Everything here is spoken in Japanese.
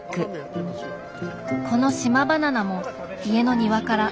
この島バナナも家の庭から。